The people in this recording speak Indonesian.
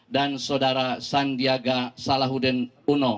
dan sodara sandiaga salahuddin uno